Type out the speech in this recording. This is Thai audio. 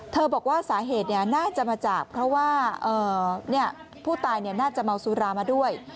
บอกว่าสาเหตุน่าจะมาจากเพราะว่าผู้ตายน่าจะเมาสุรามาด้วย